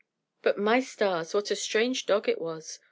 But, my stars, what a strange dog it was!